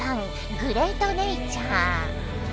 グレートネイチャー」。